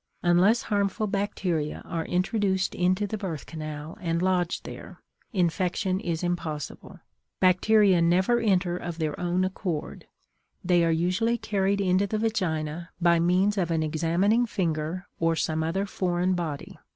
Unless harmful bacteria are introduced into the birth canal and lodge there, infection is impossible. Bacteria never enter of their own accord; they are usually carried into the vagina by means of an examining finger or some other foreign body.